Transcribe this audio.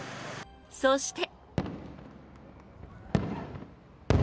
そして。